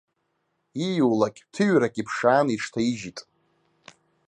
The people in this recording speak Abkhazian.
Ииулак, ҭыҩрак иԥшаан, иҽҭаижьит.